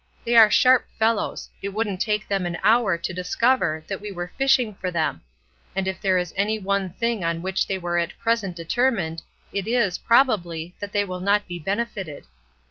They are sharp fellows; it wouldn't take them an hour to discover that we were fishing for them; and if there is any one thing on which they are at present determined, it is, probably, that they will not be benefited.